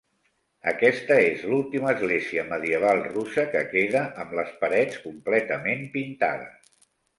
Aquesta és l'ultima església medieval russa que queda amb les parets completament pintades.